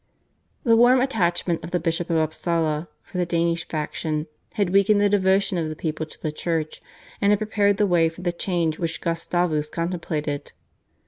The warm attachment of the Bishop of Upsala for the Danish faction had weakened the devotion of the people to the Church, and had prepared the way for the change which Gustavus contemplated.